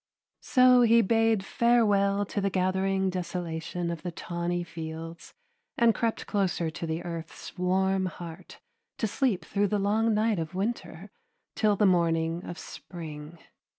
So he bade farewell to the gathering desolation of the tawny fields and crept closer to the earth's warm heart to sleep through the long night of winter, till the morning of spring.